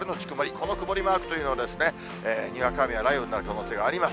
この曇りマークというのは、にわか雨や雷雨になる可能性があります。